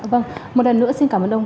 vâng một lần nữa xin cảm ơn ông